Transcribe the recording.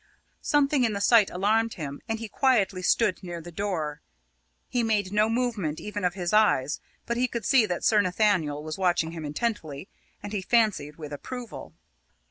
Something in the sight alarmed him, and he quietly stood near the door. He made no movement, even of his eyes, but he could see that Sir Nathaniel was watching him intently, and, he fancied, with approval.